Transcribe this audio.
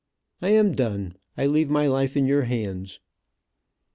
I am done. I leave my life in your hands."